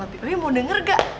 tapi mau denger gak